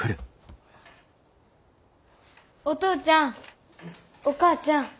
お父ちゃんお母ちゃん。